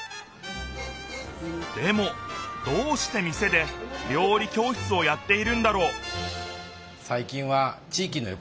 でもどうして店で料理教室をやっているんだろう？